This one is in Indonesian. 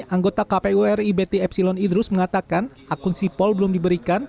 anggota kpw ri btepsilon idrus mengatakan akun sipol belum diberikan